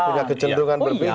punya kecenderungan berpihak